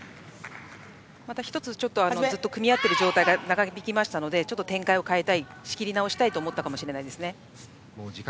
また１つずっと組み合っている状態が長引きましたのでちょっと展開を変えたい仕切り直したいと思ったかもしれません。